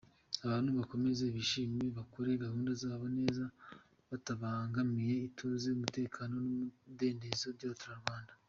Abantu bakomeze bishime, bakore gahunda zabo neza batabangamiye ituze, umutekano n’umudendezo by’abaturarwanda.